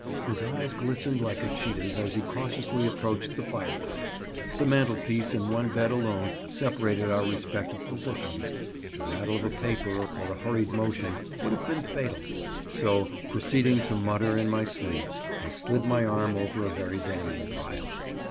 His eyes glistened like a cheetah's as he cautiously approached the fire place—the mantelpiece and one bed alone separated our respective positions, the rattle of a paper, or a hurried motion, would have been fatal; so, proceeding to mutter in my sleep, I slid my arm over a very damning pile.